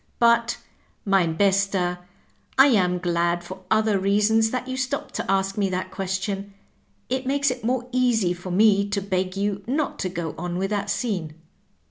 But, Tiimi Bester^ I am glad for other reasons that you stopped to ask me that question. It makes it more easy for me to beg you not to go on with that scene."